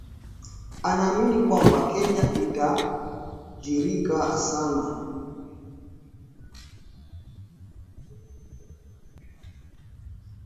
Anaamini kwamba Kenya itatajirika sana